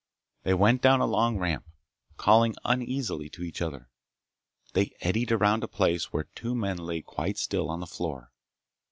They went down a long ramp, calling uneasily to each other. They eddied around a place where two men lay quite still on the floor.